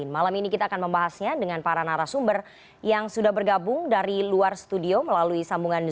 malam ini kita akan membahasnya dengan para narasumber yang sudah bergabung dari luar studio melalui sambungan zoom